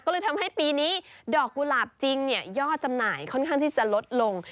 ก็เลยทำให้ปีนี้ดอกกุหลาบจริงเนี่ยยอดจำหน่ายค่อนข้างที่จะลดลง